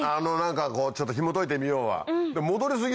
何かこうちょっとひもといてみようは。